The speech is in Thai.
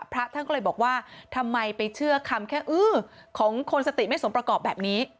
พระท่านก็เลยบอกว่าทำไมไปเชื่อคำแค่อื้อของคนสติไม่สมประกอบแบบนี้